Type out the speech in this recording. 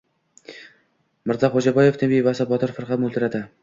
Mirzaxo‘jaboyni bevasi Botir firqaga mo‘ltiradi.